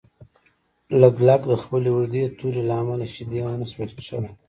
لګلګ د خپلې اوږدې تورې له امله شیدې ونشوای څښلی.